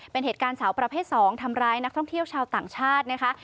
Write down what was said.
เป็นเหตุการณ์สาวประเภท๒ทำร้ายนักท่องเที่ยวชาวต่างชาตินะคะ